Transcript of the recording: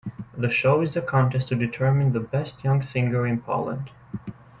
The show is a contest to determine the best young singer in Poland.